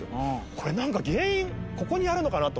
これなんか原因ここにあるのかなと思って。